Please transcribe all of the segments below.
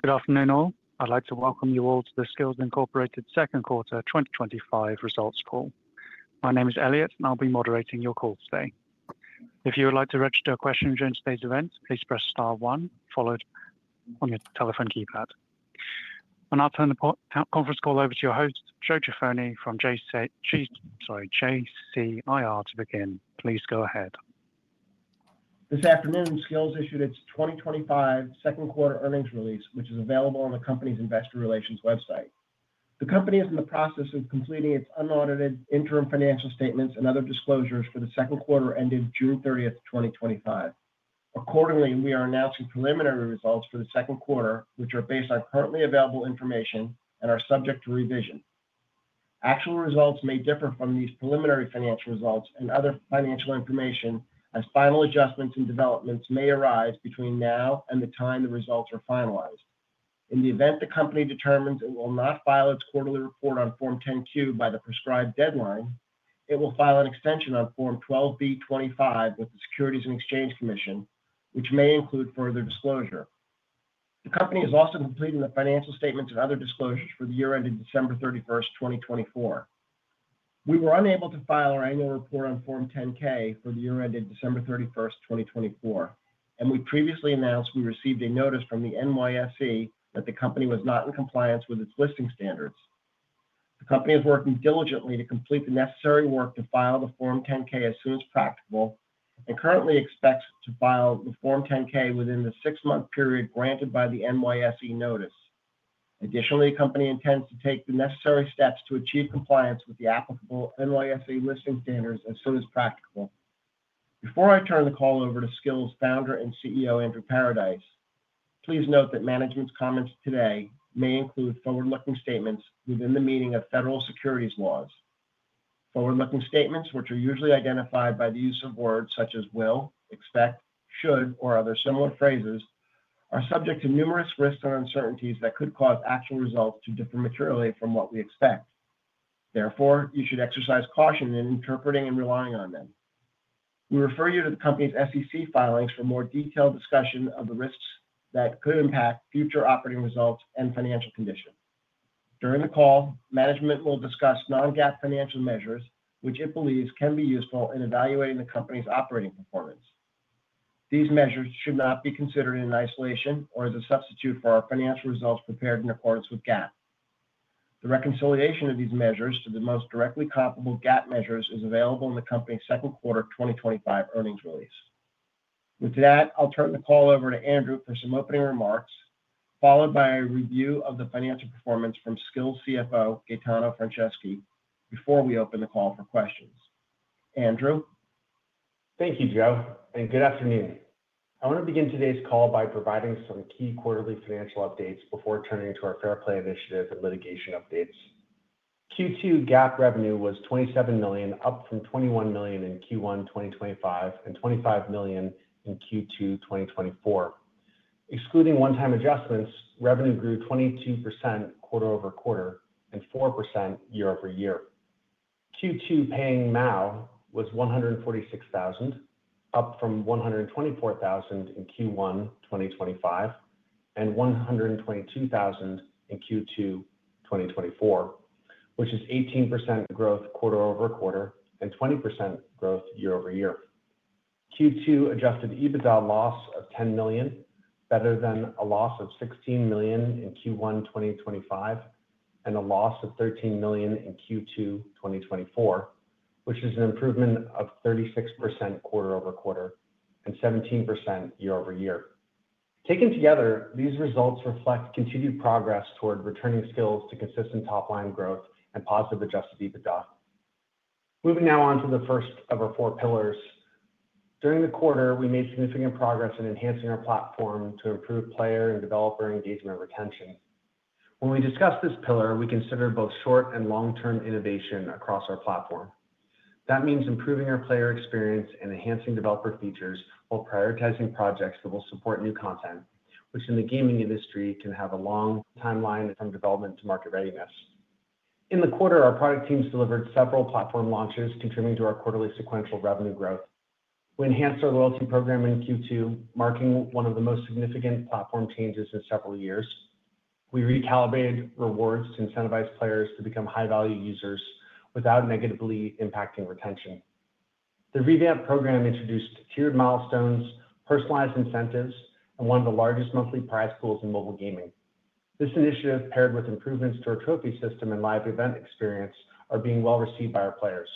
Good afternoon. I'd like to welcome you all to the Skillz Incorporated Second Quarter 2025 Results Call. My name is Elliot, and I'll be moderating your call today. If you would like to register a question during today's event, please press star one on your telephone keypad. I'll turn the conference call over to your host, Joe Jaffoni from JCIR, to begin. Please go ahead. This afternoon, Skillz issued its 2025 second quarter earnings release, which is available on the company's Investor Relations website. The company is in the process of completing its unaudited interim financial statements and other disclosures for the second quarter ending June 30th, 2025. Accordingly, we are announcing preliminary results for the second quarter, which are based on currently available information and are subject to revision. Actual results may differ from these preliminary financial results and other financial information, as final adjustments and developments may arise between now and the time the results are finalized. In the event the company determines it will not file its quarterly report on Form 10-Q by the prescribed deadline, it will file an extension on Form 12b-25 with the Securities and Exchange Commission, which may include further disclosure. The company is also completing the financial statements and other disclosures for the year ending December 31st, 2024. We were unable to file our annual report on Form 10-K for the year ending December 31st, 2024, and we previously announced we received a notice from the NYSE that the company was not in compliance with its listing standards. The company is working diligently to complete the necessary work to file the Form 10-K as soon as practicable and currently expects to file the Form 10-K within the six-month period granted by the NYSE notice. Additionally, the company intends to take the necessary steps to achieve compliance with the applicable NYSE listing standards as soon as practicable. Before I turn the call over to Skillz Founder and CEO, Andrew Paradise, please note that management's comments today may include forward-looking statements within the meaning of federal securities laws. Forward-looking statements, which are usually identified by the use of words such as will, expect, should, or other similar phrases, are subject to numerous risks and uncertainties that could cause actual results to differ materially from what we expect. Therefore, you should exercise caution in interpreting and relying on them. We refer you to the company's SEC filings for more detailed discussion of the risks that could impact future operating results and financial conditions. During the call, management will discuss non-GAAP financial measures, which it believes can be useful in evaluating the company's operating performance. These measures should not be considered in isolation or as a substitute for our financial results prepared in accordance with GAAP. The reconciliation of these measures to the most directly comparable GAAP measures is available in the company's second quarter 2025 earnings release. With that, I'll turn the call over to Andrew for some opening remarks, followed by a review of the financial performance from Skillz CFO, Gaetano Franceschi, before we open the call for questions. Andrew? Thank you, Joe, and good afternoon. I want to begin today's call by providing some key quarterly financial updates before turning to our Fair Play Initiative and litigation updates. Q2 GAAP revenue was $27 million, up from $21 million in Q1 2025 and $25 million in Q2 2024. Excluding one-time adjustments, revenue grew 22% quarter-over-quarter and 4% year-over-year. Q2 paying MAU was 146,000, up from 124,000 in Q1 2025 and 122,000 in Q2 2024, which is 18% growth quarter-over-quarter and 20% growth year-over-year. Q2 adjusted EBITDA loss of $10 million, better than a loss of $16 million in Q1 2025, and a loss of $13 million in Q2 2024, which is an improvement of 36% quarter-over-quarter and 17% year-over-year. Taken together, these results reflect continued progress toward returning Skillz to consistent top-line growth and positive adjusted EBITDA. Moving now on to the first of our four pillars. During the quarter, we made significant progress in enhancing our platform to improve player and developer engagement retention. When we discuss this pillar, we consider both short and long-term innovation across our platform. That means improving our player experience and enhancing developer features while prioritizing projects that will support new content, which in the gaming industry can have a long timeline from development to market readiness. In the quarter, our product teams delivered several platform launches contributing to our quarterly sequential revenue growth. We enhanced our loyalty program in Q2, marking one of the most significant platform changes in several years. We recalibrated rewards to incentivize players to become high-value users without negatively impacting retention. The revamped program introduced tiered milestones, personalized incentives, and one of the largest monthly prize pools in mobile gaming. This initiative, paired with improvements to our trophy system and live event experience, are being well-received by our players.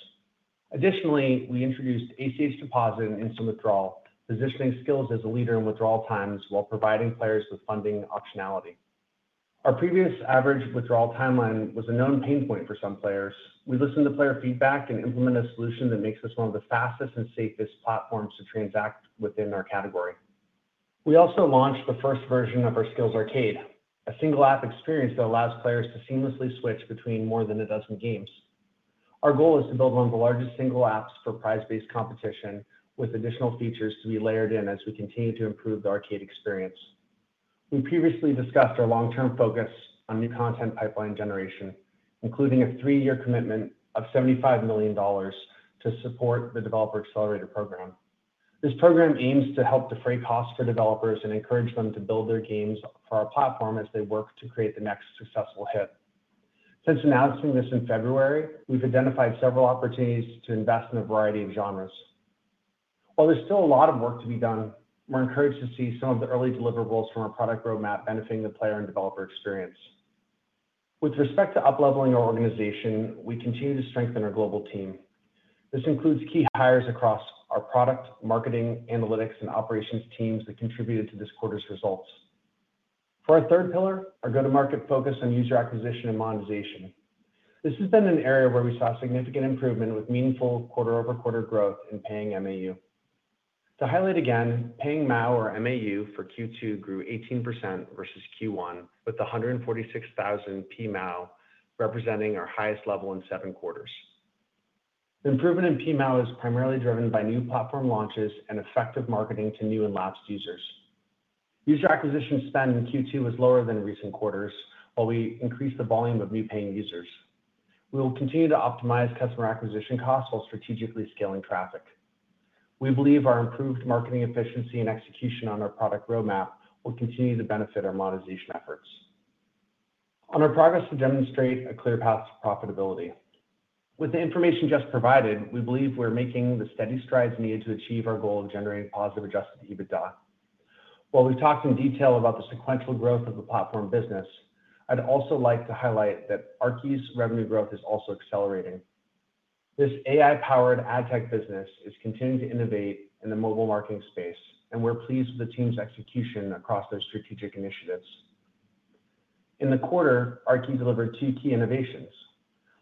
Additionally, we introduced ACH deposit and instant withdrawal, positioning Skillz as a leader in withdrawal times while providing players with funding optionality. Our previous average withdrawal timeline was a known pain point for some players. We listened to player feedback and implemented a solution that makes this one of the fastest and safest platforms to transact within our category. We also launched the first version of our Skillz Arcade, a single-app experience that allows players to seamlessly switch between more than a dozen games. Our goal is to build one of the largest single apps for prize-based competition, with additional features to be layered in as we continue to improve the arcade experience. We previously discussed our long-term focus on new content pipeline generation, including a three-year commitment of $75 million to support the Developer Accelerator program. This program aims to help defray costs for developers and encourage them to build their games for our platform as they work to create the next successful hit. Since announcing this in February, we've identified several opportunities to invest in a variety of genres. While there's still a lot of work to be done, we're encouraged to see some of the early deliverables from our product roadmap benefiting the player and developer experience. With respect to up-leveling our organization, we continue to strengthen our global team. This includes key hires across our product, marketing, analytics, and operations teams that contributed to this quarter's results. For our third pillar, our go-to-market focused on user acquisition and monetization. This has been an area where we saw significant improvement with meaningful quarter-over-quarter growth in paying MAU. To highlight again, paying MAU for Q2 grew 18% versus Q1, with 146,000 PMAU representing our highest level in seven quarters. The improvement in PMAU is primarily driven by new platform launches and effective marketing to new and lapsed users. User acquisition spend in Q2 was lower than in recent quarters, while we increased the volume of new paying users. We will continue to optimize customer acquisition costs while strategically scaling traffic. We believe our improved marketing efficiency and execution on our product roadmap will continue to benefit our monetization efforts. On our progress to demonstrate a clear path to profitability, with the information just provided, we believe we're making the steady strides needed to achieve our goal of generating positive adjusted EBITDA. While we've talked in detail about the sequential growth of the platform business, I'd also like to highlight that Aarki's revenue growth is also accelerating. This AI-powered ad tech business is continuing to innovate in the mobile marketing space, and we're pleased with the team's execution across their strategic initiatives. In the quarter, Aarki delivered two key innovations.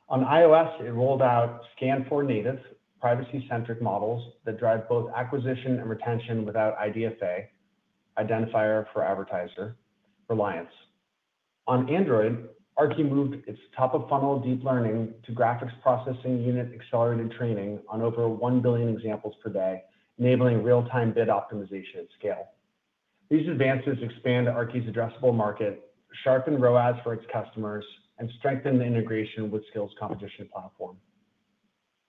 On iOS, it rolled out, [inaudible] privacy-centric models that drive both acquisition and retention without IDFA, identifier for advertiser, reliance. On Android, Aarki moved its top-of-funnel deep learning to GPU-accelerated training on over 1 billion examples per day, enabling real-time bid optimization at scale. These advances expand Aarki's addressable market, sharpen ROAS for its customers, and strengthen the integration with Skillz's competition platform.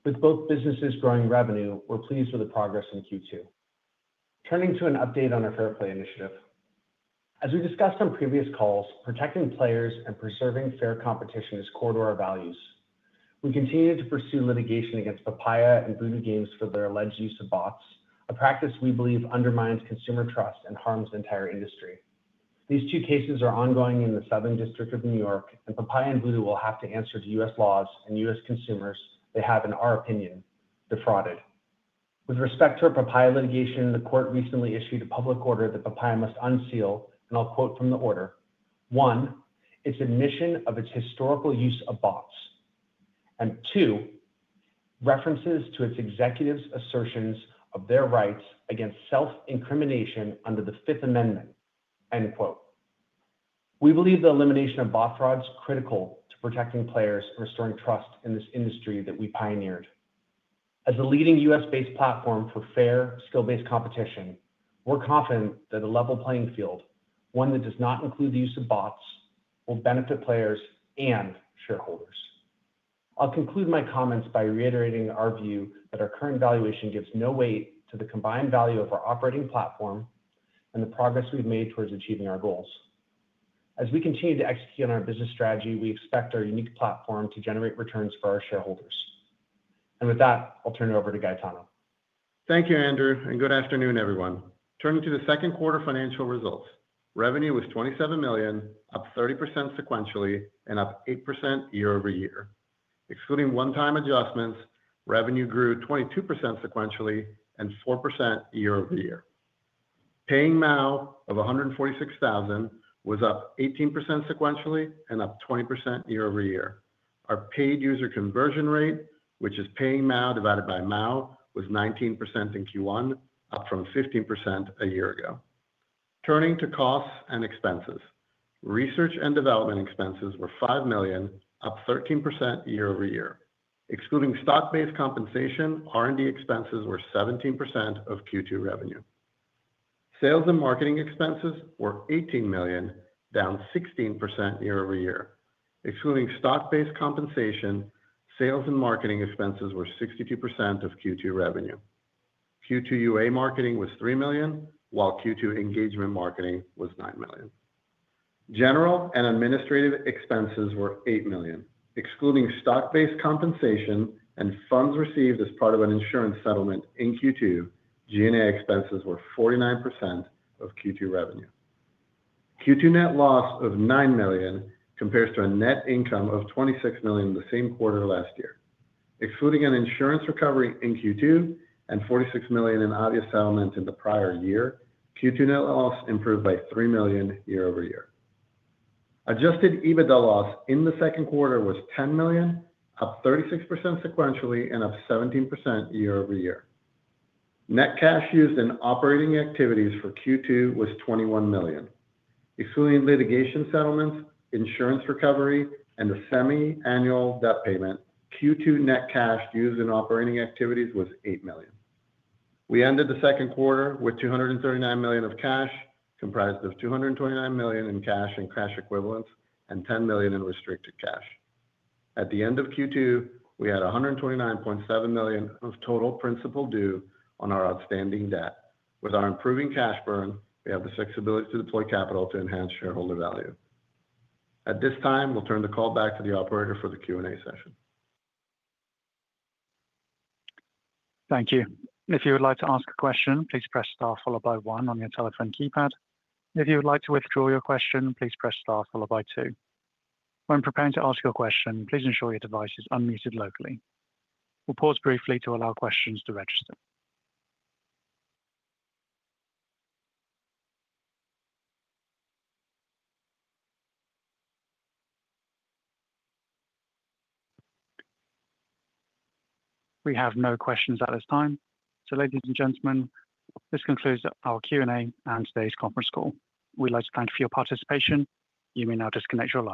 With both businesses growing revenue, we're pleased with the progress in Q2. Turning to an update on our Fair Play Initiative. As we discussed on previous calls, protecting players and preserving fair competition is core to our values. We continue to pursue litigation against Papaya and Voodoo Games for their alleged use of bots, a practice we believe undermines consumer trust and harms the entire industry. These two cases are ongoing in the Southern District of New York, and Papaya and Voodoo will have to answer to U.S. laws and U.S. consumers they have, in our opinion, defrauded. With respect to our Papaya litigation, the court recently issued a public order that Papaya must unseal, and I'll quote from the order: "One, its admission of its historical use of bots, and two, references to its executives' assertions of their rights against self-incrimination under the Fifth Amendment." We believe the elimination of bot fraud is critical to protecting players and restoring trust in this industry that we pioneered. As a leading U.S.-based platform for fair, skill-based competition, we're confident that a level playing field, one that does not include the use of bots, will benefit players and shareholders. I'll conclude my comments by reiterating our view that our current valuation gives no weight to the combined value of our operating platform and the progress we've made towards achieving our goals. As we continue to execute on our business strategy, we expect our unique platform to generate returns for our shareholders. With that, I'll turn it over to Gaetano. Thank you, Andrew, and good afternoon, everyone. Turning to the second quarter financial results, revenue was $27 million, up 30% sequentially, and up 8% year-over-year. Excluding one-time adjustments, revenue grew 22% sequentially and 4% year-over-year. Paying MAU of 146,000 was up 18% sequentially and up 20% year-over-year. Our paid user conversion rate, which is paying MAU divided by MAU, was 19% in Q1, up from 15% a year ago. Turning to costs and expenses, research and development expenses were $5 million, up 13% year-over-year. Excluding stock-based compensation, R&D expenses were 17% of Q2 revenue. Sales and marketing expenses were $18 million, down 16% year-over-year. Excluding stock-based compensation, sales and marketing expenses were 62% of Q2 revenue. Q2 UA marketing was $3 million, while Q2 engagement marketing was $9 million. General and administrative expenses were $8 million. Excluding stock-based compensation and funds received as part of an insurance settlement in Q2, G&A expenses were 49% of Q2 revenue. Q2 net loss of $9 million compares to a net income of $26 million in the same quarter last year. Excluding an insurance recovery in Q2 and $46 million in obvious settlements in the prior year, Q2 net loss improved by $3 million year-over-year. Adjusted EBITDA loss in the second quarter was $10 million, up 36% sequentially and up 17% year-over-year. Net cash used in operating activities for Q2 was $21 million. Excluding litigation settlements, insurance recovery, and a semi-annual debt payment, Q2 net cash used in operating activities was $8 million. We ended the second quarter with $239 million of cash, comprised of $229 million in cash and cash equivalents and $10 million in restricted cash. At the end of Q2, we had $129.7 million of total principal due on our outstanding debt. With our improving cash burn, we have the flexibility to deploy capital to enhance shareholder value. At this time, we'll turn the call back to the operator for the Q&A session. Thank you. If you would like to ask a question, please press star followed by one on your telephone keypad. If you would like to withdraw your question, please press star followed by two. When preparing to ask your question, please ensure your device is unmuted locally. We will pause briefly to allow questions to register. We have no questions at this time. Ladies and gentlemen, this concludes our Q&A and today's conference call. We would like to thank you for your participation. You may now disconnect.